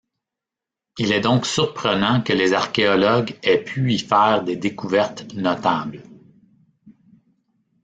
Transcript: Il est donc surprenant que les archéologues aient pu y faire des découvertes notables.